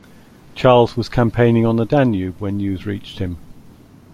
Charles was campaigning on the Danube when news reached him.